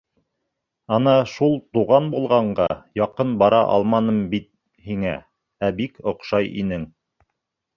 Ана шул туған булғанға яҡын бара алманым бит һиңә, ә бик оҡшай инең...